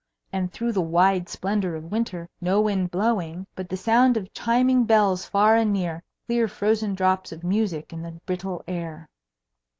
And through the wide splendour of winter no wind blowing, but the sound of chiming bells far and near, clear frozen drops of music in the brittle air.